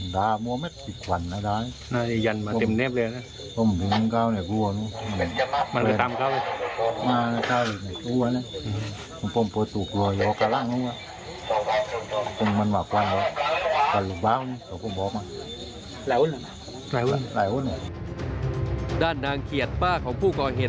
ด้านนางเกียรติป้าของผู้ก่อเหตุ